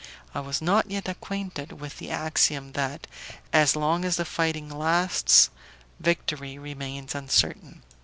I was not yet acquainted with the axiom that "as long as the fighting lasts, victory remains uncertain."